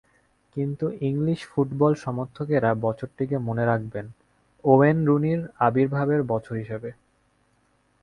কিন্তু English football সমর্থকেরা বছরটিকে মনে রাখবেন ওয়েন রুনির আবির্ভাবের বছর হিসেবে।